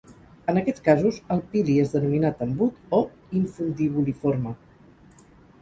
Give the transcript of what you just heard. En aquests casos, el pili és denominat embut o infundibuliforme.